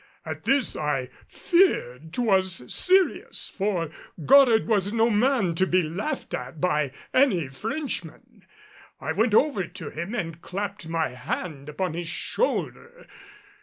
At this I feared 'twas serious, for Goddard was no man to be laughed at by any Frenchman. I went over to him and clapped my hand upon his shoulder.